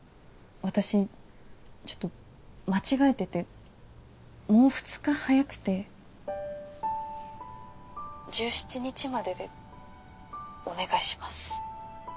私ちょっと間違えててもう２日早くて☎１７日まででお願いします